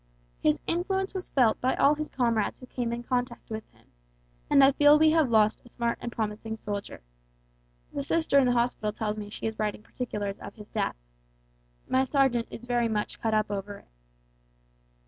His influence was felt by all his comrades who came in contact with him, and I feel we have lost a smart and promising soldier. The sister in the hospital tells me she is writing particulars of his death. My sergeant is very much cut up over it.